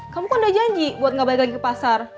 kamu kan udah janji buat gak balik lagi ke pasar